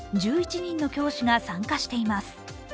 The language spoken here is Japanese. １１人の教師が参加しています。